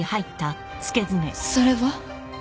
それは？